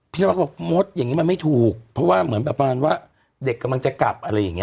พี่นวัสบอกมดอย่างงี้มันไม่ถูกเพราะว่าเหมือนแบบว่าเด็กกำลังจะกลับ